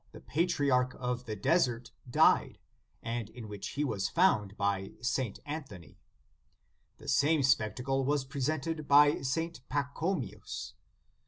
154 77^ Sign of the Cross patriarch of the desert, died, and in which he was found by St. Anthony.* The same spectacle was presented by St. Pachomius.